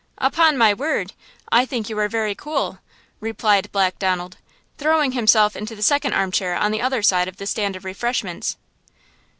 "Upon my word, I think you are very cool!" replied Black Donald, throwing himself into the second armchair on the other side of the stand of refreshments.